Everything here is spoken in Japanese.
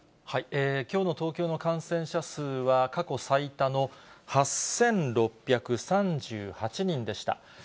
きょうの東京の感染者数は過去最多の８６３８人でした。